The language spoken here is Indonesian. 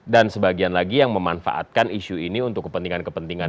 dan sebagian lagi yang memanfaatkan isu ini untuk kepentingan kepentingan